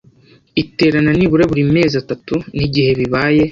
Iterana nibura buri mezi atatu n igihe bibaye